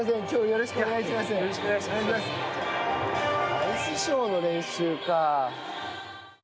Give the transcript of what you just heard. アイスショーの練習か。